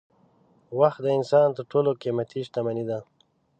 وخت د انسان تر ټولو قېمتي شتمني ده.